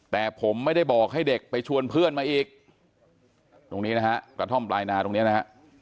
แต่ผมไม่ได้บอกให้เด็กไปชวนเพื่อนมาอีกตรงนี้นะฮะกระท่อมปลายนาตรงนี้นะฮะ